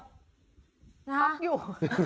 ซับอยู่